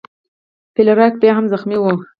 فلیریک بیا هم زخمی و.